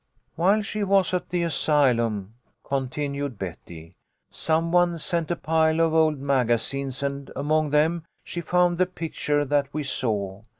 " While she was at the asylum," continued Betty, " some one sent a pile of old magazines, and among them she found the picture that we saw.